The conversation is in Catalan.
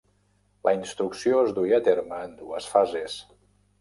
La instrucció es duia a terme en dues fases.